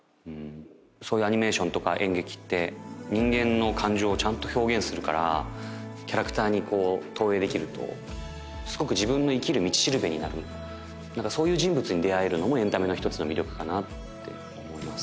そういうアニメーションとか演劇って人間の感情をちゃんと表現するからキャラクターに投影できるとすごく自分の生きる道しるべになるなんかそういう人物に出会えるのもエンタメの一つの魅力かなって思います